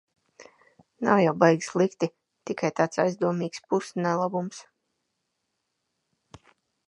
Nav jau baigi slikti, tikai tāds aizdomīgs pus-nelabums.